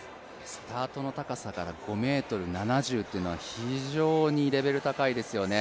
スタートの高さから５ｍ７０というのは非常にレベル高いですよね。